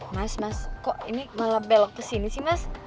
mas mas kok ini malah belok kesini sih mas